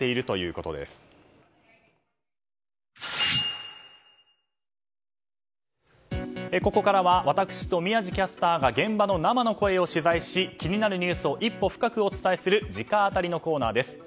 ここからは私と宮司キャスターが現場の生の声を取材し気になるニュースを一歩深くお伝えする直アタリのコーナーです。